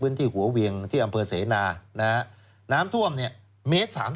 พื้นที่หัวเวียงยังประเภอเสนาน้ำท่วมเมตห์๓๐อ่ะ